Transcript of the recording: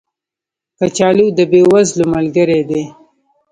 کچالو د بې وزلو ملګری دی